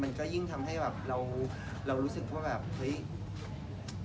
มันก็ยิ่งทำให้แบบเรารู้สึกว่าเรารู้สึกว่าแบบก็อย่างให้แม่อยู่จังเลย